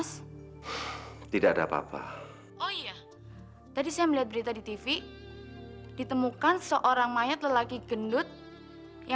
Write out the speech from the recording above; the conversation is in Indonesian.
sampai jumpa di video selanjutnya